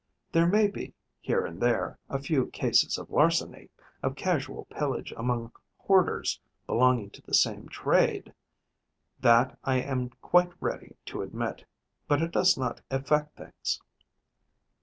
There may be, here and there, a few cases of larceny, of casual pillage among hoarders belonging to the same trade: that I am quite ready to admit, but it does not affect things.